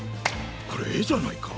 これえじゃないか？